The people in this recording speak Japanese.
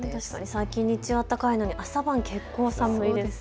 最近日中暖かいのに朝晩結構寒いですよね。